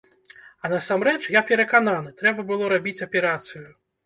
А насамрэч, я перакананы, трэба было рабіць аперацыю.